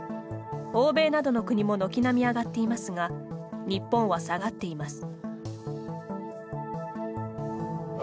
欧米などの国も軒並み上がっていますが日本は下がっています。